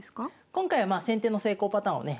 今回はまあ先手の成功パターンをね